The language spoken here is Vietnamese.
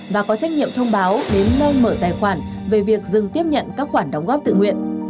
và có trách nhiệm thông báo đến nơi mở tài khoản về việc dừng tiếp nhận các khoản đóng góp tự nguyện